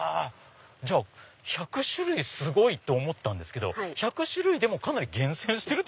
じゃあ１００種類すごい！と思ったんですけど１００種類かなり厳選してる。